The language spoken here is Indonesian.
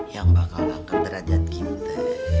yang bakal angkat derajat kita